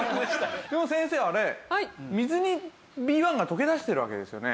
でも先生あれ水にＢ１が溶け出してるわけですよね。